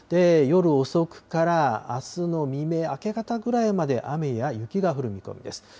夜遅くからあすの未明、明け方くらいまで雨や雪が降る見込みです。